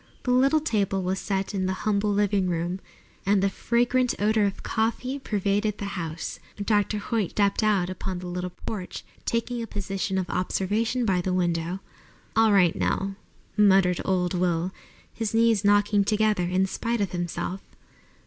The little table was set in the humble living room, and the fragrant odor of coffee pervaded the house. Dr. Hoyt drank a cup and then stepped out upon the little porch, taking a position of observation by the window. "All right, Nell," muttered old Will, his knees knocking together, in spite of himself.